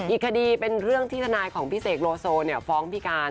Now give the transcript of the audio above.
อีกคดีเป็นเรื่องที่ทนายของพี่เสกโลโซฟ้องพี่การ